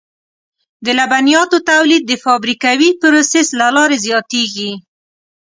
د لبنیاتو تولید د فابریکوي پروسس له لارې زیاتېږي.